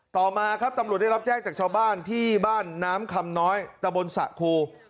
ต่อมาครับตำรวจได้รับแจ้งจากชาวบ้านที่บ้านน้ำคำน้อยตะบนสะครู